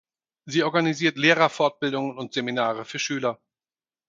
Sie organisiert Lehrerfortbildungen und Seminare für Schüler.